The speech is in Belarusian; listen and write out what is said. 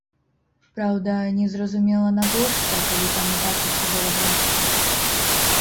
Праўда, незразумела, навошта, калі там і так усё добра.